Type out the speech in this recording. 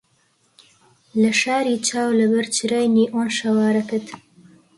لە شاری چاو لەبەر چرای نیئۆن شەوارەکەت